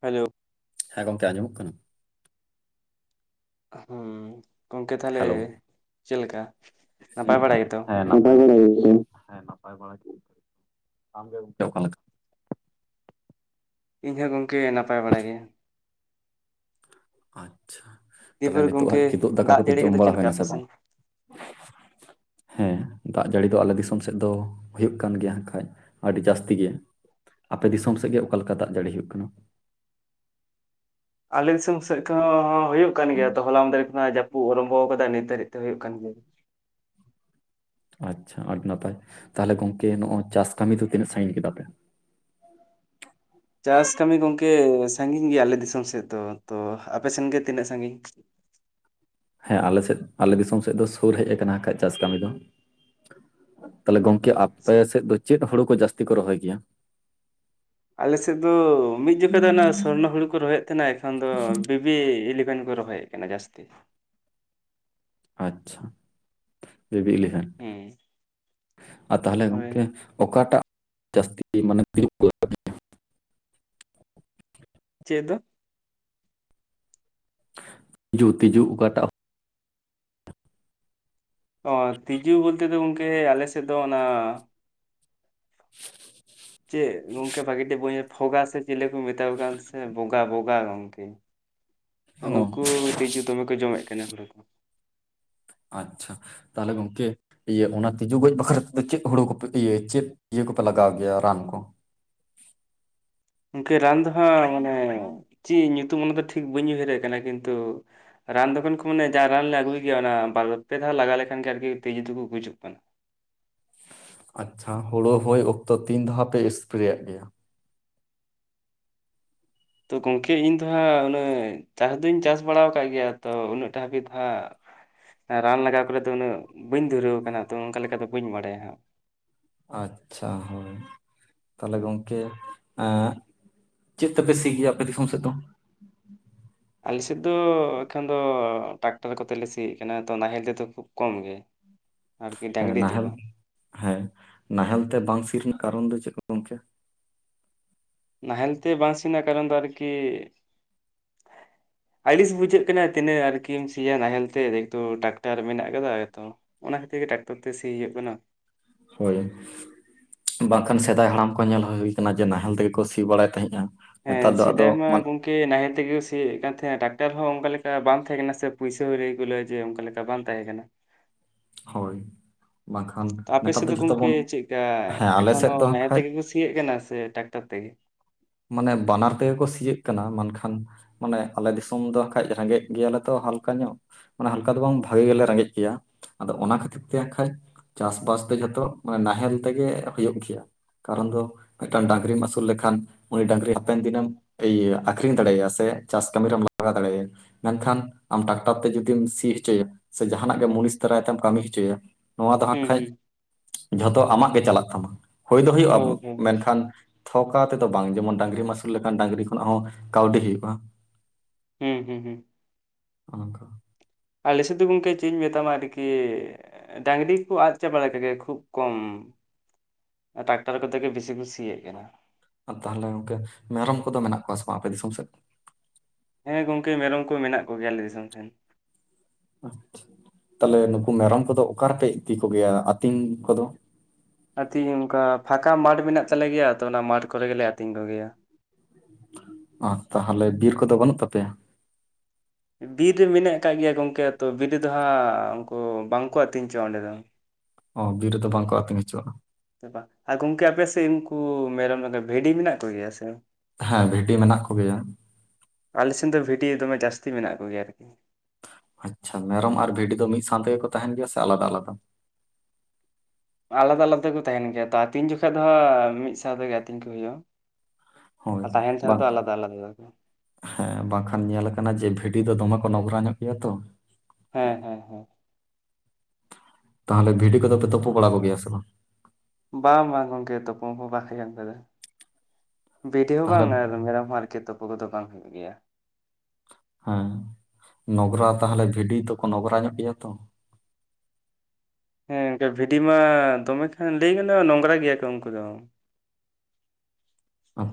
Hello ᱦᱮᱸ ᱜᱚᱢᱠᱮ ᱟᱡᱚᱢᱚᱜ ᱠᱟᱱᱟ ᱦᱮᱸ ᱜᱚᱝᱠᱮ ᱛᱟᱦᱚᱞᱮ ᱦᱮᱞᱳ᱾ ᱪᱮᱫ ᱞᱮᱠᱟ ᱱᱟᱯᱟᱭ ᱵᱟᱲᱟᱭ ᱜᱮᱛᱚ ᱱᱟ ᱦᱮᱸ ᱱᱟᱯᱟᱭ ᱵᱟᱲᱟ ᱟᱢᱜᱮ ᱜᱚᱢᱠᱮ ᱚᱠᱟᱠᱟ ᱤᱧ ᱦᱚᱸ ᱜᱚᱝᱠᱮ ᱱᱟᱯᱟᱭ ᱵᱟᱲᱟ ᱜᱮ ᱟᱪᱪᱷᱟ ᱛᱟᱦᱚᱞᱮ ᱫᱤᱭᱮᱯᱚᱨ ᱱᱤᱛᱚᱜ ᱜᱚᱢᱠᱮ ᱦᱟᱸᱜ ᱠᱤᱫᱩᱵ ᱫᱟᱠᱟ ᱫᱟᱜ ᱡᱟᱹᱲᱤ ᱡᱚᱢ ᱠᱚᱫᱚ ᱪᱮᱫ ᱵᱟᱲᱟ ᱞᱮᱠᱟ ᱦᱩᱭᱱᱟ ᱟᱯᱮ ᱥᱮ ᱵᱟᱝ? ᱥᱮᱱ ᱦᱮᱸ ᱫᱟᱜ ᱡᱟᱹᱲᱤ ᱫᱚ ᱟᱞᱮ ᱫᱤᱥᱚᱢ ᱥᱮᱫ ᱫᱚ ᱦᱩᱭᱩᱜ ᱠᱟᱱ ᱜᱮᱭᱟ ᱠᱷᱟᱡ ᱟᱹᱰᱤ ᱡᱟᱹᱥᱛᱤ ᱜᱮ ᱟᱯᱮ ᱫᱤᱥᱚᱢ ᱥᱮᱫ ᱜᱮ ᱚᱠᱟ ᱞᱮᱠᱟ ᱫᱟᱜ ᱡᱟᱹᱲᱤ ᱦᱩᱭᱩᱜ ᱠᱟᱱᱟ ᱟᱞᱮ ᱫᱤᱥᱚᱢ ᱥᱮᱫ ᱠᱷᱚᱱ ᱦᱚᱸ ᱦᱩᱭᱩᱜ ᱠᱟᱱ ᱜᱮᱭᱟ ᱛᱚ ᱦᱚᱞᱟ ᱢᱟᱫᱷᱮᱨ ᱠᱷᱚᱱᱟᱜ ᱡᱟᱯ ᱚᱨᱚᱢᱵᱷᱚ ᱟᱠᱟᱫᱟ ᱱᱤᱛ ᱫᱷᱟᱹᱨᱤᱡ ᱛᱮᱦᱚᱸ ᱦᱩᱭᱩᱜ ᱠᱟᱱ ᱜᱮᱭᱟ ᱟᱪᱪᱷᱟ ᱟᱹᱰᱤ ᱱᱟᱯᱟᱭ ᱛᱟᱦᱚᱞᱮ ᱜᱚᱝᱠᱮ ᱱᱚᱜᱚᱭ ᱪᱟᱥ ᱠᱟᱹᱢᱤ ᱫᱚ ᱛᱤᱱᱟᱹᱜ ᱥᱟᱺᱜᱤᱧ ᱠᱮᱫᱟ ᱯᱮ ᱪᱟᱥ ᱠᱟᱹᱢᱤ ᱜᱚᱝᱠᱮ ᱥᱟᱺᱜᱤᱧ ᱜᱮᱭᱟ ᱟᱞᱮ ᱫᱤᱥᱚᱢ ᱥᱮᱫ ᱫᱚ ᱛᱚ ᱟᱯᱮ ᱥᱮᱱ ᱜᱮ ᱛᱤᱱᱟᱹᱜ ᱥᱟᱺᱜᱤᱧ ᱦᱮᱸ ᱟᱞᱮ ᱥᱮᱱ ᱟᱞᱮ ᱫᱤᱥᱚᱢ ᱥᱮᱫ ᱫᱚ ᱥᱩᱨ ᱦᱮᱡ ᱟᱠᱟᱱᱟ ᱠᱷᱟᱡ ᱪᱟᱥ ᱠᱟᱹᱢᱤ ᱫᱚ ᱛᱟᱦᱞᱮ ᱜᱚᱝ ᱠᱮ ᱟᱯᱮ ᱥᱮᱫ ᱫᱚ ᱪᱮᱫ ᱦᱩᱲᱩ ᱠᱚ ᱡᱟᱹᱥᱛᱤ ᱠᱚ ᱨᱚᱦᱚᱭ ᱜᱮᱭᱟ ᱟᱞᱮ ᱥᱮᱫ ᱫᱚ ᱢᱤᱫ ᱡᱚᱠᱷᱟ ᱫᱚ ᱚᱱᱟ ᱥᱚᱨᱱᱚ ᱦᱩᱲᱩ ᱠᱚ ᱨᱚᱦᱚᱭᱮᱫ ᱛᱟᱦᱮᱸᱱᱟ ᱮᱠᱷᱚᱱ ᱫᱚ ᱵᱤ ᱮᱞᱤᱵᱷᱮᱱ ᱠᱚ ᱨᱚᱦᱚᱭᱮᱫ ᱠᱟᱱᱟ ᱡᱟᱹᱥᱛᱤ ᱟᱪᱪᱷᱟ ᱵᱮᱵᱤ ᱤᱞᱮᱵᱷᱮᱱ ᱦᱩᱸ ᱟᱨ ᱛᱟᱦᱚᱞᱮ ᱦᱳᱭ ᱜᱚᱝᱠᱮ ᱚᱠᱟᱴᱟᱜ ᱡᱟᱹᱥᱛᱤ ᱢᱟᱱᱮ ᱫ ᱪᱮᱫ ᱫᱚ ᱛᱤᱡᱩ ᱛᱤᱡᱩ ᱚᱠᱟᱴᱟᱜ ᱚ ᱛᱤᱡᱩ ᱵᱚᱞᱛᱮ ᱫᱚ ᱜᱚᱢᱠᱮ ᱟᱞᱮ ᱥᱮᱫ ᱫᱚ ᱚᱱᱟ ᱪᱮᱫ ᱜᱚᱝᱠᱮ ᱵᱷᱟᱹᱜᱤ ᱴᱷᱤᱠ ᱵᱟᱹᱧ ᱯᱷᱚᱜᱟ ᱥᱮ ᱪᱤᱞᱤ ᱠᱚ ᱢᱮᱛᱟᱣᱟ ᱠᱟᱱ ᱥᱮ ᱵᱚᱜᱟ ᱵᱚᱜᱟ ᱜᱚᱝᱠᱮ ᱚ ᱱᱩᱠᱩ ᱛᱤᱡᱩ ᱫᱚᱢᱮ ᱠᱚ ᱡᱚᱢᱮᱫ ᱛᱟᱦᱮᱸᱱᱟ ᱦᱩᱲᱩ ᱟᱪᱪᱷᱟ ᱛᱟᱦᱞᱮ ᱜᱚᱢᱠᱮ ᱤᱭᱟᱹ ᱚᱱᱟ ᱛᱤᱡᱩ ᱜᱚᱡ ᱵᱟᱠᱷᱨᱟ ᱛᱮᱫᱚ ᱪᱤᱫ ᱦᱳᱲᱳ ᱠᱚᱯᱮ [inaudible] ᱤᱭᱟᱹ ᱪᱤᱫ ᱤᱭᱟᱹ ᱠᱚᱯᱮ ᱞᱟᱜᱟᱣ ᱜᱮᱭᱟ ᱨᱟᱱ ᱠᱚ ᱜᱚᱝᱠᱮ ᱨᱟᱱ ᱫᱚ ᱦᱟᱸᱜ ᱢᱟᱱᱮ ᱪᱤᱫ ᱧᱩᱛᱩᱢ ᱚᱱᱟ ᱫᱚ ᱴᱷᱤᱠ ᱵᱟᱹᱧ ᱩᱭᱦᱟᱹᱨᱮᱫ ᱠᱟᱱᱟ ᱠᱤᱱᱛᱩ ᱨᱟᱱ ᱫᱚᱠᱟᱱ ᱠᱷᱚᱱ ᱡᱟ ᱨᱟᱱ ᱞᱮ ᱟᱹᱜᱩᱭ ᱜᱮᱭᱟ ᱚᱱᱟ ᱵᱟᱨ ᱯᱮ ᱫᱷᱟᱣ ᱞᱟᱜᱟᱣ ᱞᱮᱠᱷᱟᱱ ᱜᱮ ᱟᱨᱠᱤ ᱛᱤᱡᱩ ᱫᱚ ᱠᱚ ᱜᱩᱡᱩᱜ ᱠᱟᱱᱟ ᱟᱪᱪᱷᱟ ᱦᱳᱲᱳ ᱦᱳᱭ ᱚᱠᱛᱚ ᱛᱤᱱ ᱫᱷᱟᱣ ᱯᱮ ᱥᱯᱨᱮᱭᱟᱜ ᱜᱮᱭᱟ ᱛᱳ ᱜᱚᱢᱠᱮ ᱤᱧ ᱫᱚ ᱦᱟᱸᱜ ᱩᱱᱟᱹᱜ ᱪᱟᱥ ᱫᱩᱧ ᱪᱟᱥ ᱵᱟᱲᱟ ᱠᱟᱜ ᱜᱮᱭᱟ ᱛᱚ ᱩᱱᱟᱹᱜ ᱴᱟ ᱦᱟᱹᱵᱤᱡ ᱫᱚ ᱦᱟᱸᱜ ᱨᱟᱱ ᱞᱟᱜᱟᱣ ᱠᱚᱨᱮ ᱫᱚ ᱩᱱᱟᱹᱜ ᱵᱟᱹᱧ ᱫᱷᱩᱨᱟᱹᱣ ᱟᱠᱟᱱᱟ ᱛᱚ ᱚᱱᱠᱟ ᱞᱮᱠᱟ ᱫᱚ ᱵᱟᱹᱧ ᱵᱟᱰᱟᱭᱟ ᱦᱟᱸᱜ ᱟᱪᱪᱷᱟ ᱦᱳᱭ ᱛᱟᱞᱦᱮ ᱜᱚᱝᱠᱮ ᱮᱸᱜ ᱪᱤᱛ ᱛᱮᱯᱮ ᱥᱤ ᱜᱮᱭᱟ ᱟᱯᱮ ᱫᱤᱥᱚᱢ ᱥᱮᱫ ᱫᱚ ᱟᱞᱮ ᱥᱮᱫ ᱫᱚ ᱮᱠᱷᱚᱱ ᱫᱚ ᱴᱟᱠᱴᱟᱨ ᱠᱚᱛᱮ ᱞᱮ ᱥᱤᱭᱮᱜ ᱠᱟᱱᱟ ᱛᱚ ᱱᱟᱦᱮᱞ ᱛᱮᱫᱚ ᱠᱷᱩᱵ ᱠᱚᱢ ᱜᱮ ᱟᱨᱠᱤ ᱦᱮᱸ ᱰᱟᱝᱨᱤ ᱱᱟᱦᱮᱞ ᱛᱮᱫᱚ ᱦᱮᱸ ᱱᱟᱦᱮᱞ ᱛᱮ ᱵᱟᱝ ᱥᱤ ᱨᱮᱱᱟᱜ ᱠᱟᱨᱚᱱ ᱫᱚ ᱪᱮᱫ ᱠᱚ ᱜᱚᱝᱠᱮ ᱱᱟᱦᱮᱞ ᱛᱮ ᱵᱟᱝ ᱥᱤ ᱨᱮᱱᱟᱜ ᱠᱟᱨᱚᱱ ᱫᱚ ᱟᱨᱠᱤ ᱟᱹᱲᱤᱥ ᱵᱩᱡᱷᱟᱹᱜ ᱠᱟᱱᱟ ᱛᱤᱱᱟᱹᱜ ᱟᱨᱠᱤᱢ ᱥᱤᱭᱟ ᱱᱟᱦᱮᱞ ᱛᱮ ᱮᱠᱴᱩ ᱴᱟᱠᱴᱟᱨ ᱢᱮᱱᱟᱜ ᱟᱠᱟᱫᱟ ᱮ ᱛᱚ ᱚᱱᱟ ᱠᱷᱟᱹᱛᱤᱨ ᱜᱮ ᱴᱟᱠᱴᱟᱨ ᱛᱮ ᱥᱤ ᱦᱩᱭᱩᱜ ᱠᱟᱱᱟ ᱦᱳᱭ ᱵᱟᱝᱠᱷᱟᱱ ᱥᱮᱫᱟᱭ ᱦᱟᱲᱟᱢ ᱠᱚ ᱧᱮᱞ ᱦᱩᱭ ᱠᱟᱱᱟ ᱡᱮ ᱱᱟᱦᱮᱞ ᱛᱮᱜᱮ ᱠᱚ ᱥᱤ ᱵᱟᱲᱟᱭ ᱛᱟᱦᱮᱸᱜᱼᱟ ᱦᱮᱛᱟᱨ ᱫᱚ ᱟᱫᱚ ᱢᱟᱱ ᱠᱮ ᱱᱟᱦᱮᱞ ᱛᱮᱜᱮ ᱥᱤᱭᱮᱫ ᱠᱟᱱ ᱛᱟᱦᱮᱸᱫ ᱴᱟᱠᱴᱟᱨ ᱦᱚᱸ ᱚᱱᱠᱟ ᱞᱮᱠᱟ ᱵᱟᱝ ᱛᱟᱦᱮᱸ ᱠᱟᱱᱟ ᱥᱮ ᱯᱩᱭᱥᱟᱹ ᱦᱩᱭ ᱨᱮ ᱞᱟᱹ ᱡᱮ ᱚᱱᱠᱟ ᱞᱮᱠᱟ ᱠᱟ ᱵᱟᱝ ᱛᱟᱦᱮᱸ ᱠᱟᱱᱟ ᱦᱳᱭ ᱵᱟᱝᱠᱷᱟᱱ ᱟᱯᱮ ᱱᱮᱛᱟᱨ ᱥᱮᱫ ᱫᱚ ᱡᱷᱚᱛᱚ ᱜᱚᱝᱠᱮ ᱵᱚᱱ ᱪᱮᱫᱠᱟ ᱦᱮᱸ ᱟᱞᱮ ᱮᱠᱷᱚᱱᱚ ᱥᱮᱫ ᱫᱚ ᱦᱟᱸᱜ ᱱᱟᱦᱮᱞ ᱠᱷᱟᱡ ᱛᱮᱜᱮ ᱠᱚ ᱥᱤᱭᱮᱜ ᱠᱟᱱᱟ ᱥᱮ ᱴᱟᱠᱴᱟᱨ ᱛᱮᱜᱮ ᱢᱟᱱᱮ ᱵᱟᱱᱟᱨ ᱛᱮᱜᱮ ᱠᱚ ᱥᱤᱭᱟᱹᱜ ᱠᱟᱱᱟ ᱢᱮᱱᱠᱷᱟᱱ ᱢᱟᱱᱮ ᱟᱞᱮ ᱫᱤᱥᱚᱢ ᱫᱚ ᱠᱷᱟᱡ ᱨᱮᱸᱜᱮᱡ ᱜᱮᱭᱟ ᱞᱮ ᱛᱚ ᱦᱟᱞᱠᱟ ᱧᱚᱜ ᱢᱟᱱᱮ ᱦᱟᱞᱠᱟ ᱫᱚ ᱵᱟᱝ ᱵᱷᱟᱜᱮ ᱜᱮᱞᱮ ᱨᱮᱸᱜᱮᱡ ᱜᱮᱭᱟ ᱟᱫᱚ ᱚᱱᱟ ᱠᱷᱟᱹᱛᱤᱨ ᱛᱮ ᱟᱸᱜᱠᱷᱟᱡ ᱪᱟᱥ ᱵᱟᱥ ᱛᱮ ᱡᱚᱛᱚ ᱱᱟᱦᱮᱞ ᱛᱮᱜᱮ ᱦᱩᱭᱩᱜ ᱜᱮᱭᱟ᱾ ᱠᱟᱨᱚᱱ ᱫᱚ ᱢᱤᱫᱴᱟ. ᱝ ᱰᱟ. ᱝᱜᱨᱤᱢ ᱟᱹᱥᱩᱞ ᱞᱮᱠᱷᱟᱱ᱾ ᱩᱱᱤ ᱰᱟ. ᱝᱨᱤ ᱦᱟᱯᱮᱱ ᱫᱤᱱᱟ. ᱢ ᱮᱭ ᱟ. ᱠᱷᱨᱤᱧ ᱫᱟᱲᱮᱟᱭᱟ ᱥᱮ ᱪᱟᱥ ᱠᱟᱹᱢᱤ ᱨᱮᱢ ᱞᱟᱜᱟᱣ ᱫᱟᱲᱮᱟᱭᱟ᱾ ᱢᱮᱱᱠᱷᱟᱱ ᱟᱢ ᱴᱟᱠᱴᱟᱨ ᱛᱮ ᱡᱩᱫᱤᱢ ᱥᱤ ᱦᱚᱪᱚᱮᱭᱟ ᱥᱮ ᱡᱟᱦᱟᱱᱟᱜ ᱜᱮ ᱢᱩᱱᱤᱥ ᱫᱟᱨᱟᱭ ᱛᱮᱢ ᱠᱟᱹᱢᱤ ᱦᱚᱪᱚᱭᱟ᱾ ᱱᱚᱣᱟ ᱫᱚ ᱦᱟᱸᱜ ᱦᱩᱸ ᱠᱷᱟᱡ ᱦᱩᱸ ᱡᱷᱚᱛᱚ ᱟᱢᱟᱜ ᱜᱮ ᱪᱟᱞᱟᱜ ᱛᱟᱢᱟ ᱩᱳᱭ ᱫᱚ ᱦᱩᱭᱩᱜᱼᱟ ᱦᱳᱭ ᱦᱳᱭ ᱢᱮᱱᱠᱷᱟᱱ ᱛᱷᱚᱠᱟ ᱛᱮᱫᱚ ᱵᱟᱝ ᱡᱮᱢᱚᱱ ᱰᱟ. ᱝᱜᱨᱤᱢ ᱟᱹᱥᱩᱞ ᱞᱮᱠᱷᱟᱱ ᱰᱟᱝᱜᱨᱤ ᱠᱷᱚᱱᱟᱜ ᱦᱚᱸ ᱠᱟᱹᱣᱰᱤ ᱦᱩᱭᱩᱜᱼᱟ᱾ ᱦᱩᱸ ᱦᱩᱸ ᱦᱩᱸ᱾ [inaudible] ᱟᱞᱮ ᱥᱤᱫ ᱫᱩ ᱜᱚᱝᱠᱮ ᱪᱮᱫ ᱤᱧ ᱢᱮᱛᱟᱢᱟ ᱟ. ᱰᱤᱜᱮ ᱰᱟ. ᱝᱜᱨᱤ ᱠᱚ ᱟᱫ ᱪᱟᱵᱟ ᱞᱮᱠᱟᱜᱮ ᱠᱷᱩᱵ ᱠᱚᱢ ᱴᱟᱠᱴᱟᱨ ᱠᱚᱛᱮ ᱜᱮ ᱵᱤᱥᱤ ᱠᱚ ᱥᱤᱭᱮᱫ ᱠᱟᱱᱟ᱾ ᱛᱟᱦᱞᱮ ᱜᱚᱝᱠᱮ ᱢᱮᱨᱚᱢ ᱠᱚᱫᱚ ᱢᱮᱱᱟᱜ ᱠᱚᱣᱟ ᱥᱮ ᱵᱟᱝ ᱟᱯᱮ ᱫᱤᱥᱚᱢ ᱥᱮᱫ? ᱦᱮᱸ ᱜᱚᱝᱠᱮ ᱢᱮᱨᱚᱢ ᱠᱚ ᱢᱮᱱᱟᱜ ᱠᱚᱜᱮᱭᱟ ᱟᱞᱮ ᱫᱤᱥᱚᱢ ᱥᱮᱱ᱾ ᱟᱪᱷᱟ ᱛᱟᱦᱞᱮ ᱱᱩᱠᱩ ᱢᱮᱨᱚᱢ ᱠᱚᱫᱚ ᱚᱠᱟ ᱨᱮᱯᱮ ᱤᱫᱤ ᱠᱚᱜᱮᱭᱟ ᱟᱹᱛᱤᱧ ᱠᱚᱫᱚ? ᱟ. ᱛᱤᱧ ᱚᱱᱠᱟ ᱯᱷᱟᱸᱠᱟ ᱢᱟᱰ ᱢᱮᱱᱟᱜ ᱛᱟᱞᱮ ᱜᱮᱭᱟ ᱛᱚ ᱚᱱᱟ ᱢᱟᱰ ᱠᱚᱨᱮ ᱜᱮᱞᱮ ᱟᱹᱛᱤᱧ ᱠᱚᱜᱮᱭᱟ᱾ ᱟᱨ ᱛᱟᱦᱞᱮ ᱵᱤᱨ ᱠᱚᱫᱚ ᱵᱟᱹᱱᱩᱜ ᱛᱟᱯᱮᱭᱟ? ᱵᱤᱨ ᱨᱮ ᱢᱤᱱᱟᱜ ᱠᱟᱫ ᱜᱮᱭᱟ ᱜᱚᱝᱠᱮ ᱟᱫᱚ ᱵᱤᱨ ᱨᱮᱫᱚ ᱦᱟᱸᱜ ᱩᱱᱠᱩ ᱵᱟᱝᱠᱚ ᱟᱹᱛᱤᱧ ᱪᱚᱣᱟᱜ ᱚᱸᱰᱮ ᱫᱚ᱾ ᱚ ᱵᱤᱨ ᱨᱮ ᱫᱚ ᱵᱟᱝᱠᱚ ᱟ. ᱛᱤᱧ ᱦᱚᱪᱚᱣᱟᱜ-ᱟ᱾ ᱵᱟᱝ ᱟᱨ ᱜᱚᱝᱠᱮ ᱟᱯᱮ ᱥᱮᱫ ᱩᱱᱠᱩ ᱢᱮᱨᱚᱢ ᱵᱷᱤᱰᱤ ᱢᱮᱱᱟᱜ ᱠᱚᱜᱮᱭᱟ ᱥᱮ? ᱦᱮᱸ ᱵᱷᱤᱰᱤ ᱢᱮᱱᱟᱜ ᱠᱚᱜᱮᱭᱟ᱾ ᱟᱞᱮ ᱥᱮᱱ ᱫᱚ ᱵᱷᱤᱰᱤ ᱫᱚᱢᱮ ᱡᱟᱹᱥᱛᱤ ᱢᱮᱱᱟᱜ ᱠᱚᱜᱮᱭᱟ᱾ ᱟᱪᱷᱟ ᱢᱮᱨᱚᱢ ᱟᱨ ᱵᱷᱤᱰᱤ ᱫᱚ ᱢᱤᱫ ᱥᱟᱶ ᱛᱮᱜᱮᱠᱚ ᱛᱟᱦᱮᱱ ᱜᱮᱭᱟ ᱥᱮ ᱟᱞᱟᱫᱟ-ᱟᱞᱟᱫᱟ? ᱟᱞᱟᱫᱟ-ᱟᱞᱟᱫᱟ ᱛᱮᱠᱚ ᱛᱟᱦᱮᱱ ᱜᱮᱭᱟ ᱛᱚ ᱟᱹᱛᱤᱧ ᱡᱚᱠᱷᱟ ᱫᱚ ᱦᱟᱸᱜ ᱢᱤᱫ ᱥᱟᱶ ᱛᱮᱜᱮ ᱟᱹᱛᱤᱧ ᱠᱚ ᱦᱩᱭᱩᱜᱼᱟ᱾ ᱦᱚᱭ ᱟᱨ ᱛᱟᱦᱮᱱ ᱴᱷᱟᱶ ᱫᱚ ᱵᱟᱝ ᱟᱞᱟᱫᱟ ᱟᱞᱟᱫᱟ ᱛᱟᱠᱚ᱾ ᱦᱮᱸ ᱵᱟᱝᱠᱷᱟᱱ ᱧᱮᱞ ᱟᱠᱟᱱᱟ ᱡᱮ ᱵᱷᱤᱰᱤ ᱫᱚ ᱫᱚᱢᱮ ᱠᱚ ᱱᱚᱝᱽᱨᱟ ᱧᱚᱜ ᱜᱮᱭᱟ ᱛᱚ᱾ ᱦᱮᱸ ᱦᱮᱸ ᱦᱮᱸ᱾ ᱛᱟᱦᱞᱮ ᱵᱷᱤᱰᱤ ᱠᱚᱫᱚᱯᱮ ᱛᱩᱯᱩ ᱵᱟᱲᱟ ᱠᱚᱜᱮᱭᱟ ᱥᱮ ᱵᱟᱝ? [unintelligible] ᱵᱷᱤᱰᱤ ᱦᱚᱸ ᱛᱟᱦᱚᱞᱮ ᱵᱟᱝ ᱟᱨ ᱢᱮᱨᱚᱢ ᱦᱚᱸ ᱟᱨᱠᱤ ᱛᱩᱯᱩ ᱠᱚᱫᱚ ᱵᱟᱝ ᱦᱩᱭᱩᱜ ᱜᱮᱭᱟ᱾ ᱦᱮᱸ ᱱᱚᱜᱨᱟ ᱛᱟᱦᱞᱮ ᱵᱷᱤᱰᱤ ᱫᱚᱠᱚ ᱱᱚᱜᱨᱟ ᱧᱚᱜ ᱜᱮᱭᱟ ᱛᱚ᱾ ᱦᱮᱸ ᱜᱚ ᱵᱷᱤᱰᱤ ᱢᱟ ᱫᱚᱢᱮ ᱠᱷᱟᱱ ᱞᱟᱹᱭ ᱜᱟᱱᱚᱜᱼᱟ ᱱᱚᱝᱨᱟ ᱜᱮᱭᱟ ᱠᱚ ᱩᱱᱠᱩ ᱫᱚ᱾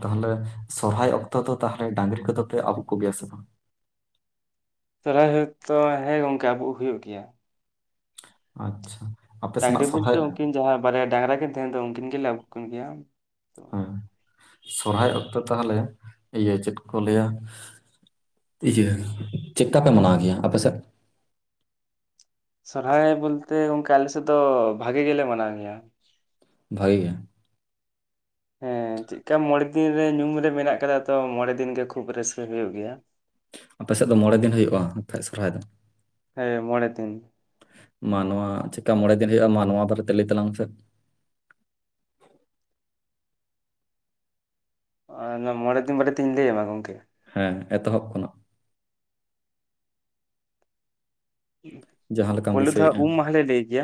ᱛᱟᱦᱚᱞᱮ ᱥᱚᱨᱦᱟᱭ ᱚᱠᱛᱚ ᱫᱚ ᱛᱟᱦᱚᱞᱮ ᱰᱟᱝᱨᱤ ᱠᱚᱫᱚ ᱯᱮ ᱟᱵᱩᱜ ᱠᱚᱜᱮᱭᱟ ᱥᱮ ᱵᱟᱝ? ᱥᱚᱨᱦᱟᱭ ᱨᱮᱫᱚ ᱦᱮᱸ ᱜᱚᱝᱠᱮ ᱟᱵᱩᱜ ᱦᱩᱭᱩᱜ ᱜᱮᱭᱟ᱾ ᱟᱪᱪᱷᱟ᱾ ᱟᱯᱮ ᱥᱮᱱᱟᱜ ᱰᱟᱝᱨᱤ ᱵᱚᱞᱛᱮ ᱥᱚᱨᱦᱟᱭ ᱩᱱᱠᱤᱱ ᱡᱟᱦᱟᱸᱭ ᱵᱟᱨᱭᱟ ᱰᱟᱝᱨᱟ ᱠᱤᱱ ᱛᱟᱦᱮᱸ ᱫᱚ ᱩᱱᱠᱤᱱ ᱜᱮᱞᱮ ᱟᱹᱵᱩᱜ ᱠᱤᱱ ᱜᱮᱭᱟ᱾ ᱦᱚᱭ ᱥᱚᱨᱦᱟᱭ ᱦᱳᱭ ᱚᱠᱛᱚ ᱛᱟᱦᱚᱞᱮ ᱤᱭᱟᱹ ᱪᱮᱫ ᱠᱚ ᱞᱟᱹᱭᱟ ᱤᱭᱟᱹ ᱪᱮᱫᱠᱟ ᱯᱮ ᱢᱟᱱᱟᱣ ᱜᱮᱭᱟ ᱟᱯᱮᱥᱮᱫ? ᱥᱚᱨᱦᱟᱭ ᱵᱚᱞᱛᱮ ᱜᱚᱝᱠᱮ ᱟᱞᱮ ᱥᱮᱫ ᱫᱚ ᱵᱷᱟᱜᱤ ᱜᱮᱞᱮ ᱢᱟᱱᱟᱣ ᱜᱮᱭᱟ᱾ ᱵᱷᱟᱜᱤ ᱜᱮ? ᱦᱮᱸ ᱪᱮᱫᱠᱟ ᱢᱚᱬᱮ ᱫᱤᱱ ᱨᱮ ᱧᱩᱢ ᱨᱮ ᱢᱮᱱᱟᱜ ᱠᱟᱫᱟ ᱛᱚ ᱢᱚᱬᱮ ᱫᱤᱱ ᱜᱮ ᱠᱷᱩᱵ ᱨᱟᱹᱥᱠᱟᱹ ᱦᱩᱭᱩᱜ ᱜᱮᱭᱟ᱾ ᱟᱯᱮ ᱥᱮᱫ ᱫᱚ ᱢᱚᱬᱮ ᱫᱤᱱ ᱦᱩᱭᱩᱜᱼᱟ ᱟᱯᱮᱭᱟ-ᱜ ᱥᱚᱨᱦᱟᱭ ᱫᱚ? ᱦᱮᱸ ᱢᱚᱬᱮ ᱫᱤᱱ᱾ ᱢᱟ ᱱᱚᱣᱟ ᱪᱮᱠᱟ ᱢᱚᱬᱮ ᱫᱤᱱ ᱦᱩᱭᱩᱜᱼᱟ ᱢᱟ ᱱᱚᱣᱟ ᱵᱟᱨᱮ ᱛᱮ ᱞᱟᱹᱭ ᱛᱟᱞᱟᱝ ᱢᱮᱥᱮ᱾ ᱟᱨ ᱱᱚᱣᱟ ᱢᱚᱬᱮ ᱫᱤᱱ ᱵᱟᱨᱮ ᱛᱧ ᱞᱟᱹᱭ ᱟᱢᱟ ᱜᱚᱝᱠᱮ? ᱦᱮᱸ ᱮᱛᱚᱦᱚᱵ ᱠᱷᱚᱱᱟᱜ᱾ ᱡᱟᱦᱟᱸ ᱞᱮᱠᱟᱢ ᱯᱩᱭᱞᱩ ᱫᱚᱦᱟᱜ ᱫᱤᱥᱟᱹᱭᱮᱫᱼᱟ ᱩᱢ ᱢᱟᱦᱟ ᱞᱮ ᱞᱟᱹᱭ ᱜᱮᱭᱟ᱾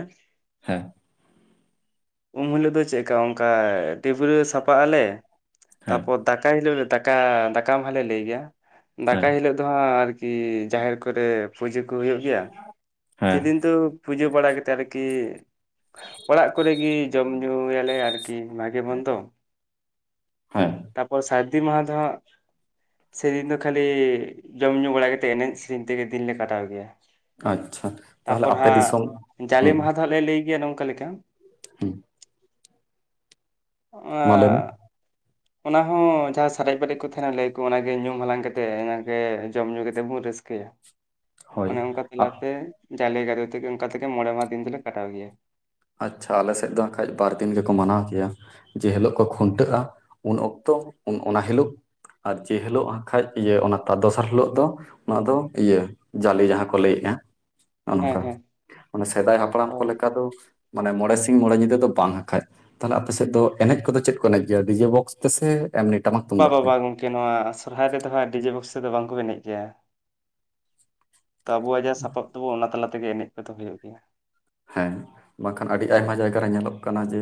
ᱦᱮᱸ᱾ ᱩᱢ ᱦᱤᱞᱚᱜ ᱫᱚ ᱪᱮᱫᱠᱟ ᱚᱱᱠᱟ ᱰᱤᱵᱽᱨᱟᱹ ᱥᱟᱯᱷᱟᱜ ᱟᱞᱮ ᱦᱮᱸ ᱛᱟᱯᱚᱨ ᱫᱟᱠᱟᱭ ᱦᱤᱞᱚᱜ ᱫᱚ ᱫᱟᱠᱟ ᱫᱟᱠᱟ ᱢᱟᱦᱟ ᱞᱮ ᱞᱟᱹᱭ ᱜᱮᱭᱟ ᱫᱟᱠᱟ ᱦᱮᱸ ᱦᱤᱞᱚᱜ᱾ ᱫᱚ ᱦᱟᱸᱜ ᱟᱨᱠᱤ ᱡᱟᱦᱮᱨ ᱠᱚᱨᱮ ᱯᱩᱡᱟᱹ ᱠᱚ ᱦᱩᱭᱩᱜ ᱜᱮᱭᱟ? ᱦᱮᱸ ᱥᱮᱫᱤᱱ ᱫᱚ ᱯᱩᱡᱟᱹ ᱵᱟᱲᱟ ᱠᱟᱛᱮ ᱟᱨᱠᱤ ᱚᱲᱟᱜ ᱠᱚᱨᱮ ᱜᱮ ᱡᱚᱢ ᱧᱩ ᱭᱟᱞᱮ ᱟᱨᱠᱤ ᱠᱤ ᱵᱷᱟᱜᱤ ᱢᱚᱱᱫᱚ ᱦᱮᱸ ᱛᱟᱯᱚᱨ ᱥᱟᱨᱫᱤ ᱢᱟᱦᱟ ᱫᱚᱦᱟᱜ ᱛᱮᱦᱮᱱ ᱫᱚ ᱠᱷᱟᱹᱞᱤ ᱡᱚᱢ ᱧᱩ ᱵᱟᱲᱟᱛᱮ ᱮᱱᱮᱡ ᱥᱮᱨᱮᱧ ᱛᱮᱜᱮ ᱫᱤᱱᱞᱮ ᱠᱟᱴᱟᱣ ᱜᱮᱭᱟ ᱟᱪᱪᱷᱟ ᱛᱟᱦᱞᱮ ᱟᱯᱮ ᱫᱤᱥᱚᱢ ᱦᱮᱸ ᱛᱟᱦᱟ ᱞᱮ ᱞᱟᱹᱭ ᱜᱮᱭᱟ ᱱᱚᱝᱠᱟ ᱞᱮᱠᱟ ᱦᱩ ᱢᱟ ᱞᱟᱹᱭ ᱢᱮ ᱚᱱᱟ ᱦᱚᱸ ᱡᱟᱦᱟᱸ ᱥᱟᱨᱮᱡ ᱵᱟᱨᱮᱡ ᱠᱚ ᱛᱟᱦᱮᱱᱟ ᱞᱟᱭ ᱟᱠᱚ ᱚᱱᱟᱜᱮ ᱧᱩᱢ ᱦᱟᱞᱟᱝ ᱠᱟᱛᱮᱜ ᱚᱱᱟᱜᱮ ᱡᱚᱢ ᱧᱩ ᱠᱟᱛᱮᱫ ᱵᱚᱱ ᱨᱟᱹᱥᱠᱟᱹᱭᱟ ᱦᱳᱭ ᱚᱱᱮ ᱚᱱᱠᱟ ᱟ- ᱛᱟᱞᱟ ᱛᱮ ᱡᱟᱞᱮ ᱜᱟᱫᱚᱭ ᱛᱮᱜᱮ ᱢᱚᱬᱮ ᱢᱟᱦᱟ ᱫᱤᱱ ᱫᱚᱞᱮ ᱠᱟᱴᱟᱣ ᱜᱮᱭᱟ ᱟᱪᱪᱷᱟ ᱟᱞᱮ ᱥᱮᱫ ᱫᱚ ᱠᱷᱟᱡ ᱵᱟᱨ ᱫᱤᱱ ᱜᱮᱠᱚ ᱢᱟᱱᱟᱣ ᱠᱮᱭᱟ ᱡᱮ ᱦᱤᱞᱳᱜ ᱠᱚ ᱠᱷᱩᱱᱴᱟᱹᱜᱼᱟ ᱩᱱ ᱚᱠᱛᱚ ᱩᱱ ᱚᱱᱟ ᱦᱤᱞᱳᱜ ᱟᱨ ᱡᱮ ᱦᱤᱞᱳᱜ ᱦᱟᱸᱜ ᱠᱷᱟᱡ ᱤᱭᱟᱹ ᱚᱱᱟ ᱛᱟ ᱫᱚᱥᱟᱨ ᱦᱤᱞᱳᱜ ᱫᱚ ᱚᱱᱟ ᱫᱚ ᱤᱭᱟᱹ ᱡᱟᱞᱮ ᱡᱟᱦᱟᱸ ᱠᱚ ᱞᱟᱹᱭᱮᱫᱼᱟ ᱱᱚᱜ ᱦᱮᱸ ᱱᱚᱝᱠᱟ ᱦᱮᱸ ᱢᱟᱱᱮ ᱥᱮᱫᱟᱭ ᱚ ᱦᱟᱯᱲᱟᱢ ᱠᱚ ᱞᱮᱠᱟ ᱫᱚ ᱢᱟᱱᱮ ᱢᱚᱬᱮ ᱥᱤᱧ ᱢᱚᱬᱮ ᱧᱤᱫᱟᱹ ᱫᱚ ᱵᱟᱝ ᱦᱟᱠᱷᱟᱡ ᱛᱟᱦᱞᱮ ᱟᱯᱮ ᱥᱮᱫ ᱫᱚ ᱮᱱᱮᱡ ᱠᱚᱫᱚ ᱪᱮᱫ ᱠᱚ ᱮᱱᱮᱡ ᱜᱮᱭᱟ ᱰᱤᱡᱮ ᱵᱚᱠᱥ ᱛᱮᱥᱮ ᱮᱢᱱᱤ ᱴᱟᱢᱟᱠ ᱵᱟ ᱛᱩᱢᱫᱟᱜ ᱵᱟ ᱛᱮ ᱵᱟ ᱜᱚᱝᱠᱮ ᱱᱚᱣᱟ ᱥᱚᱨᱦᱟᱭ ᱨᱮᱫᱚ ᱦᱟᱸᱜ ᱰᱤᱡᱮ ᱵᱚᱠᱥ ᱛᱮᱫᱚ ᱵᱟᱝᱠᱚ ᱮᱱᱮᱡ ᱜᱮᱭᱟ ᱛᱚ ᱟᱵᱚᱣᱟᱜ ᱡᱟ ᱥᱟᱯᱟᱵ ᱛᱟᱵᱚ ᱚᱱᱟ ᱛᱟᱞᱟ ᱛᱮᱜᱮ ᱮᱱᱮᱡ ᱠᱚᱫᱚ ᱦᱩᱭᱩᱜ ᱜᱮᱭᱟ ᱦᱮᱸ ᱵᱟᱝᱠᱷᱟᱱ ᱟᱹᱰᱤ ᱟᱭᱢᱟ ᱡᱟᱭᱜᱟ ᱨᱮ ᱧᱮᱞᱚᱜ ᱠᱟᱱᱟ ᱡᱮ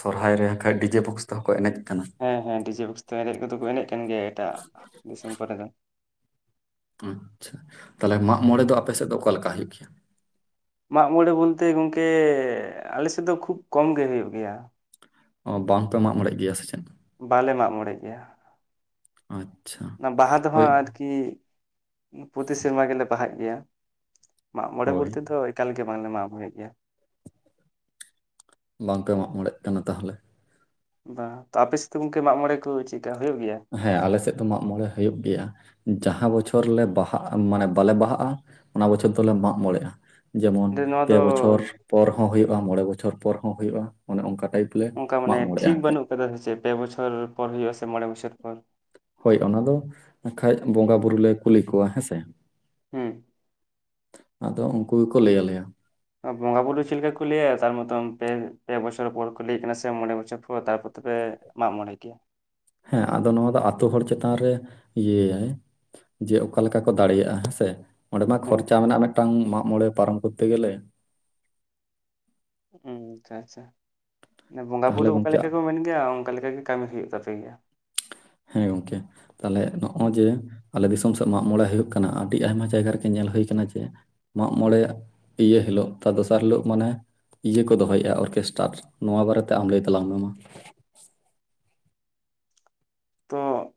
ᱥᱚᱨᱦᱟᱭ ᱨᱮ ᱠᱷᱟᱡ ᱰᱤᱡᱮ ᱵᱚᱠᱥ ᱛᱮᱦᱚᱸ ᱠᱚ ᱮᱱᱮᱡ ᱠᱟᱱᱟ ᱦᱮᱸ ᱦᱮᱸ ᱰᱤᱡᱮ ᱵᱚᱠᱥ ᱛᱮ ᱮᱱᱮᱡ ᱠᱚᱫᱚ ᱠᱚ ᱮᱱᱮᱡ ᱠᱟᱱ ᱜᱮᱭᱟ ᱮᱴᱟᱜ ᱫᱤᱥᱚᱢ ᱠᱚᱨᱮ ᱫᱚ ᱟᱪᱪᱷᱟ ᱛᱟᱦᱞᱮ ᱢᱟᱜ ᱢᱚᱬᱮ ᱫᱚ ᱟᱯᱮ ᱥᱮᱫ ᱫᱚ ᱚᱠᱟᱞᱮᱠᱟ ᱦᱩᱭᱩᱜ ᱜᱮᱭᱟ ᱢᱟᱜ ᱢᱚᱬᱮ ᱵᱚᱞᱛᱮ ᱜᱚᱢᱠᱮ ᱟᱞᱮᱮᱥᱮᱫ ᱫᱚ ᱠᱷᱩᱵ ᱠᱚᱢ ᱜᱮ ᱦᱩᱭᱩᱜ ᱜᱮᱭᱟ ᱚ ᱵᱟᱝ ᱯᱮ ᱢᱟᱜ ᱵᱟᱲᱮᱜ ᱜᱮᱭᱟ ᱥᱮ ᱪᱮᱫ ᱵᱟᱞᱮ ᱢᱟᱜ ᱢᱚᱬᱮ ᱜᱮᱭᱟ ᱟᱪᱪᱷᱟ ᱚᱱᱟ ᱵᱟᱦᱟ ᱫᱚᱦᱚᱸ ᱦᱳᱭ ᱟᱨᱠᱤ ᱯᱨᱚᱛᱤ ᱥᱮᱨᱢᱟ ᱜᱮᱞᱮ ᱵᱟᱦᱟᱜ ᱜᱮᱭᱟ ᱢᱟᱜ ᱢᱚᱬᱮ ᱦᱳᱭ ᱵᱚᱞᱛᱮ ᱫᱚ ᱮᱠᱟᱞ ᱜᱮ ᱵᱟᱝᱞᱮ ᱢᱟᱜ ᱵᱚᱭᱮᱫ ᱜᱮᱭᱟ ᱵᱟᱝ ᱯᱮ ᱢᱟᱜ ᱢᱚᱬᱮᱜ ᱠᱟᱱᱟ ᱛᱟᱦᱚᱞᱮ ᱛᱚ ᱟᱯᱮ ᱥᱮᱫ ᱫᱚ ᱜᱚᱝᱠᱮ ᱢᱟᱜ ᱢᱚᱬᱮ ᱠᱚ ᱪᱮᱫᱠᱟ ᱦᱩᱭᱩᱜ ᱜᱮᱭᱟ ᱦᱮᱸ ᱟᱞᱮ ᱥᱮᱫ ᱫᱚ ᱢᱟᱜ ᱢᱚᱬᱮ ᱦᱩᱭᱩᱜ ᱜᱮᱭᱟ ᱡᱟᱦᱟᱸ ᱵᱚᱪᱷᱚᱨ ᱞᱮ ᱵᱟᱦᱟᱜ ᱢᱟᱱᱮ ᱵᱟᱞᱮ ᱵᱟᱦᱟᱜᱼᱟ ᱚᱱᱟ ᱵᱚᱪᱷᱚᱨ ᱫᱚᱞᱮ ᱢᱟᱜ ᱢᱚᱬᱮᱜᱼᱟ ᱡᱮᱢᱚᱱ ᱡᱮ ᱱᱚᱣᱟ ᱯᱮ ᱫᱚ ᱵᱚᱪᱷᱚᱨ ᱯᱚᱨ ᱦᱚᱸ ᱦᱩᱭᱩᱜᱼᱟ ᱢᱚᱬᱮ ᱵᱚᱪᱷᱚᱨ ᱯᱚᱨ ᱦᱚᱸ ᱦᱩᱭᱩᱜᱼᱟ ᱚᱱᱮ ᱚᱱᱠᱟ ᱴᱟᱭᱤᱯ ᱞᱮ ᱚᱱᱠᱟ ᱢᱟᱱᱮ ᱢᱟᱜ ᱢᱚᱬᱮᱜᱼᱟ ᱴᱷᱤᱠ ᱦᱟᱸᱜ ᱠᱷᱟᱡ ᱵᱟᱹᱱᱩᱜ ᱟᱠᱟᱫᱟ ᱥᱮᱪᱮ ᱯᱮ ᱵᱚᱪᱷᱚᱨ ᱯᱚᱨ ᱦᱩᱭᱩᱜᱼᱟ ᱥᱮ ᱢᱚᱬᱮ ᱵᱚᱪᱷᱚᱨ ᱯᱚᱨ ᱦᱳᱭ ᱚᱱᱟ ᱫᱚ ᱦᱟᱠᱷᱟᱡ ᱵᱚᱸᱜᱟ ᱵᱩᱨᱩ ᱞᱮ ᱠᱩᱞᱤ ᱠᱚᱣᱟ ᱦᱮᱸᱥᱮ ᱦᱮᱸ ᱟᱫᱚ ᱩᱱᱠᱩ ᱜᱮᱠᱚ ᱞᱟᱹᱭ ᱟᱞᱮᱭᱟ ᱵᱚᱸᱜᱟ ᱵᱩᱨᱩ ᱪᱮᱫᱠᱟ ᱠᱩ ᱞᱤᱭᱟ ᱛᱟᱨ ᱢᱚᱛᱚᱱ ᱯᱮ ᱯᱮ ᱵᱚᱪᱷᱚᱨ ᱯᱚᱨ ᱠᱩᱞᱤᱭ ᱠᱟᱱᱟ ᱥᱮ ᱢᱚᱬᱮ ᱵᱚᱪᱷᱚᱨ ᱯᱚᱨ ᱛᱟᱨᱯᱚᱨ ᱢᱟᱜ ᱢᱚᱬᱮ ᱜᱮ ᱦᱮᱸ ᱟᱫᱚ ᱱᱚᱣᱟ ᱫᱚ ᱟᱹᱛᱳ ᱦᱚᱲ ᱪᱮᱛᱟᱱ ᱨᱮ ᱤᱭᱟᱹᱭᱟᱭ ᱡᱮ ᱚᱠᱟ ᱞᱮᱠᱟ ᱠᱚ ᱫᱟᱲᱮᱭᱟᱜᱼᱟ ᱦᱮᱸ ᱥᱮ ᱚᱸᱰᱮ ᱢᱟ ᱦᱮᱸ ᱠᱷᱚᱨᱪᱟ ᱢᱮᱱᱟᱜ ᱢᱤᱫᱴᱟᱝ ᱢᱟᱜ ᱢᱚᱬᱮ ᱯᱟᱨᱚᱢ ᱠᱚᱨᱛᱮ ᱜᱮᱞᱮ ᱟᱪᱪᱷᱟ ᱟᱪᱪᱷᱟ ᱵᱚᱸᱜᱟ ᱵᱩᱨᱩ ᱛᱟᱦᱚᱞᱮ ᱚᱠᱟ ᱜᱚᱢᱠᱮ ᱞᱮᱠᱟ ᱠᱚ ᱢᱮᱱ ᱜᱮᱭᱟ ᱚᱱᱠᱟ ᱞᱮᱠᱟ ᱜᱮ ᱠᱟᱹᱢᱤ ᱦᱩᱭᱩᱜ ᱛᱟᱯᱮ ᱜᱮᱭᱟ ᱦᱮᱸ ᱜᱚᱝᱠᱮ ᱛᱟᱦᱞᱮ ᱱᱚᱜᱼᱚᱭ ᱡᱮ ᱟᱞᱮ ᱫᱤᱥᱚᱢ ᱥᱮᱫ ᱢᱟᱜ ᱢᱚᱬᱮ ᱦᱩᱭᱩᱜ ᱠᱟᱱᱟ ᱟᱹᱰᱤ ᱟᱭᱢᱟ ᱡᱟᱭᱜᱟ ᱨᱮᱜᱮ ᱧᱮᱞ ᱦᱩᱭ ᱠᱟᱱᱟ ᱡᱮ ᱢᱟᱜ ᱢᱚᱬᱮ ᱤᱭᱟᱹ ᱦᱤᱞᱳᱜ ᱛᱟᱨ ᱫᱚᱥᱟᱨ ᱦᱤᱞᱳᱜ ᱢᱟᱱᱮ ᱤᱭᱟᱹ ᱠᱚ ᱫᱚᱦᱚᱭᱮᱫᱼᱟ ᱚᱨᱠᱮᱥᱴᱟᱨ ᱱᱚᱣᱟ ᱵᱟᱨᱮᱛᱮ ᱟᱢ ᱞᱟᱹᱭ ᱛᱟᱞᱟᱝ ᱢᱮ ᱢᱟ ᱛᱚ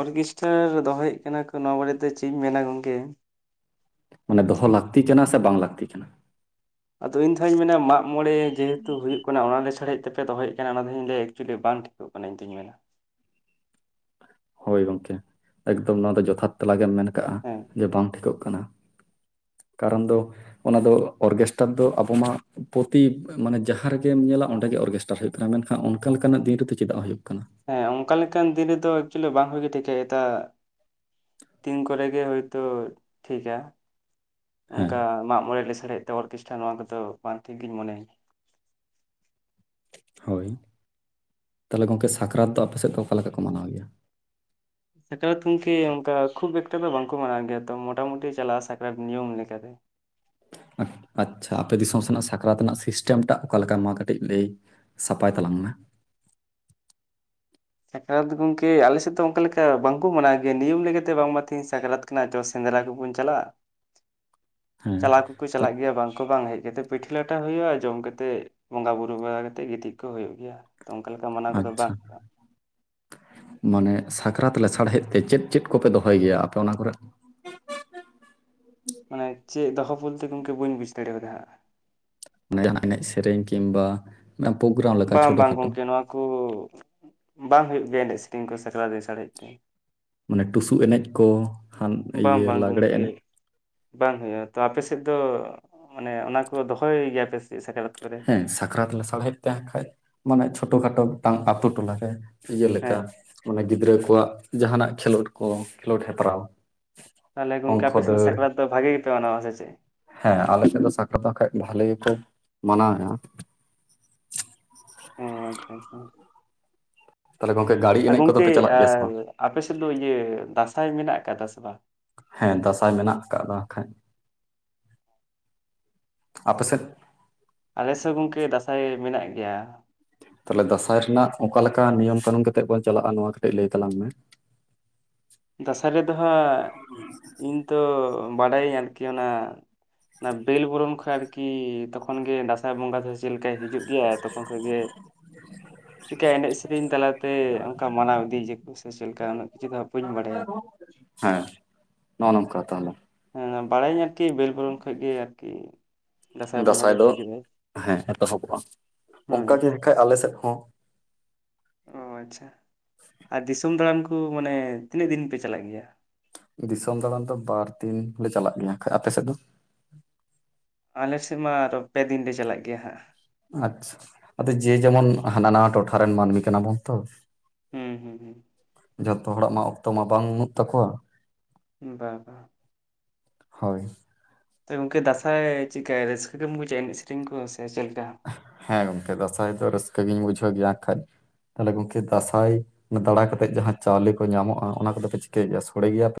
ᱚᱨᱜᱮᱥᱴᱟᱨ ᱫᱚᱦᱚᱭᱮᱫ ᱠᱟᱱᱟ ᱠᱚ ᱱᱚᱣᱟ ᱵᱟᱨᱮᱛᱮ ᱪᱮᱫ ᱤᱧ ᱢᱮᱱᱟ ᱜᱚᱝᱠᱮ ᱢᱟᱱᱮ ᱫᱚᱦᱚ ᱞᱟᱹᱠᱛᱤ ᱠᱟᱱᱟ ᱥᱮ ᱵᱟᱝ ᱞᱟᱹᱠᱛᱤ ᱠᱟᱱᱟ ᱟᱫᱚ ᱤᱧ ᱫᱚᱦᱟᱜ ᱢᱮᱱᱟ ᱢᱟᱜ ᱢᱚᱬᱮ ᱡᱮᱦᱮᱛᱩ ᱦᱩᱭᱩᱜ ᱠᱟᱱᱟ ᱚᱱᱟ ᱞᱮᱥᱟᱲ ᱛᱮᱯᱮ ᱫᱚᱦᱚᱭᱮᱫ ᱠᱟᱱᱟ ᱚᱱᱟ ᱫᱚᱧ ᱞᱟᱹᱭᱟ ᱮᱠᱪᱩᱭᱞᱤ ᱵᱟᱝ ᱢᱟᱱᱮ ᱤᱧᱛᱩᱧ ᱢᱮᱱᱟ ᱦᱳᱭ ᱜᱚᱢᱠᱮ ᱮᱠᱫᱚᱢ ᱱᱚᱣᱟ ᱫᱚ ᱡᱚᱛᱷᱟᱛ ᱛᱮᱞᱟ ᱜᱮᱢ ᱢᱮᱱ ᱠᱟᱜᱼᱟ ᱦᱮᱸ ᱡᱮ ᱵᱟᱝ ᱴᱷᱤᱠᱚᱜ ᱠᱟᱱᱟ ᱠᱟᱨᱚᱱ ᱫᱚ ᱚᱱᱟ ᱫᱚ ᱚᱨᱜᱮᱥᱴᱟᱨ ᱫᱚ ᱟᱵᱚ ᱢᱟ ᱯᱚᱛᱤ ᱢᱟᱱᱮ ᱡᱟᱦᱟᱸ ᱨᱮᱜᱮᱢ ᱧᱮᱞᱟ ᱚᱸᱰᱮ ᱜᱮ ᱚᱨᱜᱮᱥᱼᱼ ᱴᱟᱨ ᱦᱩᱭᱩᱜ ᱠᱟᱱᱟ ᱢᱮᱱᱠᱷᱟᱱ ᱚᱱᱠᱟ ᱞᱮᱠᱟᱱᱟᱜ ᱫᱤᱱ ᱨᱮᱫᱚ ᱪᱮᱫᱟᱜ ᱦᱩᱭᱩᱜ ᱠᱟᱱᱟ ᱦᱮᱸ ᱚᱱᱠᱟ ᱞᱮᱠᱟᱱ ᱫᱤᱱ ᱨᱮᱫᱚ ᱮᱠᱪᱩᱭᱮᱞᱤ ᱵᱟᱝ ᱦᱩᱭ ᱜᱮ [unintelligible] [inaudible] ᱛᱤᱱ ᱠᱚᱨᱮ ᱜᱮ ᱦᱳᱭᱛᱳ ᱴᱷᱤᱠᱟ ᱚᱱᱠᱟ ᱦᱮᱸ ᱢᱟᱜ ᱢᱚᱬᱮ ᱞᱮᱥᱟᱲ ᱦᱮᱫ ᱛᱮ ᱚᱨᱠᱮᱥᱴᱟᱨ ᱱᱚᱣᱟ ᱠᱚᱫᱚ ᱵᱟᱝ ᱴᱷᱤᱠ ᱜᱤᱧ ᱢᱚᱱᱮᱭᱟ ᱦᱳᱭ ᱛᱟᱦᱚᱞᱮ ᱜᱚᱢᱠᱮ ᱥᱟᱠᱨᱟᱛ ᱫᱚ ᱟᱯᱮ ᱥᱮᱫ ᱫᱚ ᱚᱠᱟ ᱞᱮᱠᱟ ᱠᱚ ᱢᱟᱱᱟᱣ ᱜᱮᱭᱟ ᱥᱟᱠᱨᱟᱛ ᱜᱚᱢᱠᱮ ᱚᱱᱠᱟ ᱠᱷᱩᱵ ᱮᱠᱴᱟ ᱫᱚ ᱵᱟᱝᱠᱚ ᱢᱟᱱᱟᱣ ᱜᱮᱭᱟ ᱛᱚ ᱢᱚᱴᱟᱢᱩᱴᱤ ᱪᱟᱞᱟᱜᱼᱟ ᱥᱟᱠᱨᱟᱛ ᱱᱤᱭᱚᱢ ᱞᱮᱠᱟᱛᱮ ᱟᱪᱪᱷᱟ ᱟᱯᱮ ᱫᱤᱥᱚᱢ ᱥᱮᱱᱟᱜ ᱥᱟᱠᱨᱟᱛ ᱨᱮᱱᱟᱜ ᱥᱤᱥᱴᱮᱢ ᱴᱟᱜ ᱚᱠᱟᱞᱮᱠᱟ ᱢᱟ ᱠᱟᱹᱴᱤᱡ ᱞᱟᱹᱭ ᱥᱟᱯᱟᱭ ᱛᱟᱞᱟᱝ ᱢᱮ ᱥᱟᱠᱨᱟᱛ ᱜᱚᱢᱠᱮ ᱟᱞᱮ ᱥᱮᱫ ᱫᱚ ᱚᱱᱠᱟ ᱞᱮᱠᱟ ᱵᱟᱝᱠᱚ ᱢᱟᱱᱟᱣ ᱜᱮᱭᱟ ᱱᱤᱭᱚᱢ ᱞᱮᱠᱟᱛᱮ ᱵᱟᱝᱢᱟ ᱛᱮᱦᱮᱧ ᱥᱟᱠᱨᱟᱛ ᱠᱟᱱᱟ ᱪᱚ ᱥᱮᱸᱫᱽᱨᱟ ᱜᱮᱵᱚᱱ ᱪᱟᱞᱟᱜᱼᱟ ᱦᱮᱸ ᱪᱟᱞᱟᱣ ᱠᱚᱠᱚ ᱪᱟᱞᱟᱜ ᱛᱟ- ᱜᱮᱭᱟ ᱵᱟᱝ ᱠᱚ ᱵᱟᱝ ᱦᱮᱡ ᱠᱟᱛᱮᱫ ᱯᱤᱴᱷᱟᱹ ᱞᱟᱴᱷᱟ ᱦᱩᱭᱩᱜᱼᱟ ᱡᱚᱢ ᱠᱟᱛᱮᱜ ᱵᱚᱸᱜᱟ ᱵᱩᱨᱩ ᱵᱟᱲᱟ ᱠᱟᱛᱮᱜ ᱜᱤᱛᱤᱡ ᱠᱚᱜ ᱦᱩᱭᱩᱜ ᱜᱮᱭᱟ ᱛᱚ ᱚᱱᱠᱟ ᱞᱮᱠᱟ ᱢᱟᱱᱟᱣ ᱠᱚᱫᱚ ᱟᱪᱪᱷᱟ [unintelligible] ᱢᱟᱱᱮ ᱥᱟᱠᱨᱟᱛ ᱞᱮᱥᱟᱲ ᱦᱮᱫ ᱛᱮ ᱪᱮᱫ ᱪᱮᱫ ᱠᱚᱯᱮ ᱫᱚᱦᱚᱭ ᱜᱮᱭᱟ ᱟᱯᱮ ᱚᱱᱟ ᱠᱚᱨᱮᱜ ᱢᱟᱱᱮ ᱪᱮᱫ ᱫᱚᱦᱚ ᱵᱚᱞᱛᱮ ᱜᱚᱢᱠᱮ ᱵᱟᱹᱧ ᱵᱩᱡ ᱫᱟᱲᱮ ᱟᱫᱟ [unintelligible] ᱮᱱᱮᱡ ᱥᱮᱨᱮᱧ ᱠᱤᱢ ᱵᱟ ᱯᱳᱜᱨᱟᱢ ᱵᱟᱝ ᱵᱟᱝ ᱜᱚᱢᱠᱮ ᱱᱚᱣᱟ ᱠᱚ ᱵᱟᱝ ᱦᱩᱭᱩᱜ ᱜᱮᱭᱟ ᱮᱱᱮᱡ ᱥᱮᱨᱮᱧ ᱠᱚ ᱥᱟᱠᱨᱟᱛ ᱞᱮᱥᱟᱲ ᱦᱮᱫ ᱛᱮ ᱢᱟᱱᱮ ᱴᱩᱥᱩ ᱮᱱᱮᱡ ᱠᱚ [inaudible] ᱵᱟᱝ ᱤᱭᱟᱹ ᱵᱟᱝ ᱞᱟᱜᱽᱲᱮ ᱜᱚᱢᱠᱮ ᱮᱱᱮᱡ ᱵᱟᱝ ᱦᱩᱭᱩᱜᱼᱟ ᱛᱚ ᱟᱯᱮᱥᱮᱫ ᱫᱚ ᱢᱟᱱᱮ ᱚᱱᱟ ᱠᱚ ᱫᱚᱦᱚᱭ ᱜᱮᱭᱟᱯᱮ ᱥᱮ ᱥᱟᱠᱨᱟᱛ ᱠᱚᱨᱮ ᱦᱮᱸ ᱥᱟᱠᱨᱟᱛ ᱞᱮᱥᱟᱲ ᱦᱮᱫ ᱛᱮ ᱦᱟᱜᱼᱠᱷᱟᱡ ᱢᱟᱱᱮ ᱪᱷᱳᱴᱳ ᱠᱷᱟᱴᱳ ᱢᱤᱫᱴᱟᱝ ᱟᱛᱳ ᱴᱚᱞᱟ ᱨᱮ ᱤᱭᱟᱹ ᱞᱮᱠᱟ ᱦᱮᱸ ᱢᱟᱱᱮ ᱜᱤᱫᱽᱨᱟᱹ ᱠᱚᱣᱟᱜ ᱡᱟᱦᱟᱱᱟᱜ ᱠᱷᱮᱞᱳᱰ ᱠᱚ ᱠᱷᱮᱞᱳᱰ ᱦᱮᱯᱨᱟᱣ ᱛᱟᱦᱚᱞᱮ ᱜᱚᱢᱠᱮ ᱚᱝᱠᱚ ᱟᱯᱮᱥᱮᱫ ᱫᱚ ᱫᱟᱹᱲ ᱥᱟᱠᱨᱟᱛ ᱫᱚ ᱵᱷᱟᱜᱮ ᱜᱮᱯᱮ ᱢᱟᱱᱟᱣᱟ ᱥᱮ ᱪᱮᱫ ᱦᱮᱸ ᱟᱞᱮ ᱥᱮᱫ ᱫᱚ ᱥᱟᱠᱨᱟᱛ ᱫᱚ ᱟᱜᱼᱠᱷᱟᱡ ᱵᱷᱟᱞᱮ ᱜᱮᱠᱚ ᱢᱟᱱᱟᱣ ᱮᱜᱼᱟ ᱚ ᱟᱪᱪᱷᱟ ᱟᱪᱪᱷᱟ ᱛᱟᱦᱚᱞᱮ ᱜᱚᱝᱠᱮ ᱜᱟᱹᱲᱤ ᱟ ᱮᱱᱮᱡ ᱠᱚᱫᱚ ᱜᱚᱢᱠᱮ ᱯᱮ ᱪᱟᱞᱟᱜ ᱜᱮᱭᱟ ᱥᱮ ᱵᱟᱝ ᱟᱯᱮᱥᱮᱫ ᱫᱚ ᱤᱭᱟᱹ ᱫᱟᱸᱥᱟᱭ ᱢᱮᱱᱟᱜ ᱟᱠᱟᱫᱟ ᱥᱮ ᱵᱟᱝ ᱦᱮᱸ ᱫᱟᱸᱥᱟᱭ ᱢᱮᱱᱟᱜ ᱟᱠᱟᱫᱟᱫᱟ ᱟᱜᱼᱠᱷᱟᱡ ᱟᱯᱮ ᱥᱮᱡ ᱟᱞᱮᱥᱮᱫ ᱜᱚᱢᱠᱮ ᱫᱟᱸᱥᱟᱭ ᱢᱮᱱᱟᱜ ᱜᱮᱭᱟ ᱛᱟᱦᱚᱞᱮ ᱫᱟᱸᱥᱟᱭ ᱨᱮᱱᱟᱜ ᱚᱠᱟ ᱞᱮᱠᱟ ᱱᱤᱭᱚᱢ ᱠᱟᱹᱱᱩᱱ ᱠᱟᱛᱮᱜ ᱵᱚᱱ ᱪᱟᱞᱟᱜᱼᱟ ᱱᱚᱣᱟ ᱠᱟᱹᱴᱤᱡ ᱞᱟᱹᱭ ᱛᱟᱞᱟᱝ ᱢᱮ ᱫᱟᱸᱥᱟᱭ ᱨᱮᱫᱚ ᱦᱟᱸᱜ ᱤᱧ ᱛᱚ ᱵᱟᱰᱟᱭᱟᱹᱧ ᱟᱨᱠᱤ ᱚᱱᱟ ᱚᱱᱟ ᱵᱮᱞ ᱵᱚᱨᱚᱱ ᱠᱷᱚᱡ ᱟᱨᱠᱤ ᱛᱚᱠᱷᱚᱱ ᱜᱮ ᱫᱟᱸᱥᱟᱭ ᱵᱚᱸᱜᱟ ᱫᱚ ᱪᱮᱫ ᱞᱮᱠᱟᱭ ᱦᱤᱡᱩᱜ ᱜᱮᱭᱟ ᱛᱚᱠᱷᱚᱱ ᱠᱷᱚᱡ ᱜᱮ ᱪᱤᱠᱠᱟ ᱮᱱᱮᱡ ᱥᱮᱨᱮᱧ ᱛᱟᱞᱟᱛᱮ ᱚᱱᱠᱟ ᱢᱟᱱᱟᱣ ᱤᱫᱤᱭᱟᱠᱚ ᱥᱮ ᱪᱮᱫ ᱞᱮᱠᱟ ᱩᱱᱟᱹᱜ ᱠᱤᱪᱷᱩ ᱫᱚ ᱵᱟᱹᱧ ᱵᱟᱰᱟᱭᱟ ᱦᱮᱸ ᱱᱚᱜᱼᱚ ᱱᱚᱝᱠᱟ ᱛᱟᱦᱚᱞᱮ ᱦᱮᱸ ᱵᱟᱲᱟᱭᱟᱹᱧ ᱟᱨᱠᱤ ᱵᱮᱞ ᱵᱚᱨᱚᱱ ᱠᱷᱚᱡ ᱜᱮ ᱟᱨᱠᱤ ᱵᱚᱸᱜᱟ ᱫᱟᱸᱥᱟᱭ ᱫᱚᱭ ᱫᱚ ᱦᱤᱡᱩᱜᱼᱟᱭ ᱦᱮᱸ ᱮᱛᱚᱦᱚᱵᱚᱜᱼᱟ ᱦᱳᱭ ᱚᱱᱠᱟ ᱜᱮ ᱱᱟᱜᱼᱠᱷᱟᱡ ᱟᱞᱮ ᱥᱮᱫ ᱦᱚᱸ ᱚ ᱟᱪᱪᱷᱟ ᱟᱨ ᱫᱤᱥᱚᱢ ᱫᱟᱬᱟᱱ ᱠᱚ ᱢᱟᱱᱮ ᱛᱤᱱᱟᱹᱜ ᱫᱤᱱ ᱯᱮ ᱪᱟᱞᱟᱜ ᱜᱮᱭᱟ ᱫᱤᱥᱚᱢ ᱫᱟᱬᱟᱱ ᱫᱚ ᱵᱟᱨ ᱫᱤᱱ ᱞᱮ ᱪᱟᱞᱟᱜ ᱜᱮᱭᱟ ᱠᱷᱟᱡ᱾ ᱟᱯᱮ ᱥᱮᱫ ᱫᱚ? ᱟᱞᱮᱥᱮᱫ ᱢᱟ ᱟᱨᱦᱚ ᱯᱮ ᱫᱤᱱ ᱞᱮ ᱪᱟᱞᱟᱜ ᱜᱮᱭᱟ ᱦᱟᱸᱜ ᱟᱪᱪᱷᱟ ᱟᱫᱚ ᱡᱮ ᱡᱮᱢᱚᱱ ᱦᱟᱱᱟ ᱱᱟᱣᱟ ᱴᱚᱴᱷᱟ ᱨᱮᱱ ᱢᱟᱹᱱᱢᱤ ᱠᱟᱱᱟ ᱵᱚᱱ ᱛᱚ ᱦᱩᱸ ᱦᱩᱸ ᱦᱩᱸ ᱡᱷᱚᱛᱚ ᱦᱚᱲᱟᱜ ᱢᱟ ᱚᱠᱛᱚ ᱢᱟ ᱵᱟᱝ ᱵᱟᱹᱱᱩᱜ ᱛᱟᱠᱚᱣᱟ ᱵᱟ ᱰᱟ ᱦᱳᱭ ᱛᱚ ᱜᱚᱝᱠᱮ ᱫᱟᱥᱟᱸᱭ ᱪᱮᱫᱠᱟ ᱨᱟᱹᱥᱠᱟᱹ ᱜᱮᱢ ᱵᱩᱡᱟ ᱮᱱᱮᱡ ᱥᱮᱨᱮᱧ ᱠᱚ ᱥᱮ ᱪᱮᱫ ᱞᱮᱠᱟ ᱦᱮᱸ ᱜᱚᱝᱠᱮ ᱫᱟᱸᱥᱟᱭ ᱫᱚ ᱨᱟᱹᱥᱠᱟᱹ ᱜᱤᱧ ᱵᱩᱡᱷᱟᱹᱣ ᱜᱮᱭᱟ ᱠᱷᱟᱡ ᱛᱟᱦᱚᱞᱮ ᱜᱚᱝᱠᱮ ᱫᱟᱸᱥᱟᱭ ᱫᱟᱬᱟ ᱠᱟᱛᱮᱡ ᱡᱟᱦᱟᱸ ᱪᱟᱣᱞᱮ ᱠᱚ ᱧᱟᱢᱚᱜᱼᱟ ᱚᱱᱟ ᱠᱚᱫᱚ ᱯᱮ ᱪᱤᱠᱟᱹᱭ ᱜᱮᱭᱟ ᱥᱚᱲᱮ ᱜᱮᱭᱟ ᱯᱮ᱾